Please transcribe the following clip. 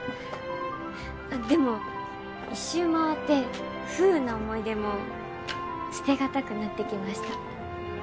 あでも一周回って不運な思い出も捨てがたくなってきました。